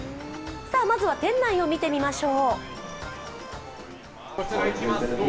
まずは店内を見てみましょう。